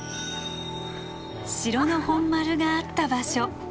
城の本丸があった場所